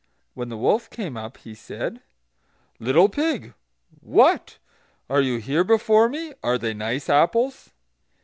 When the wolf came up he said: "Little pig, what! are you here before me? Are they nice apples?"